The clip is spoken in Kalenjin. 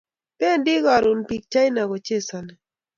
Pendi karun pik china kochesani